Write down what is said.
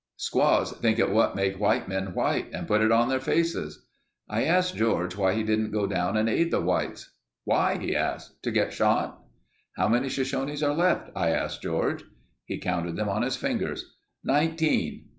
Squaws think it what make white men white and put it on their faces." I asked George why he didn't go down and aid the whites. "Why?" he asked, "to get shot?" "How many Shoshones are left?" I asked George. He counted them on his fingers. "Nineteen.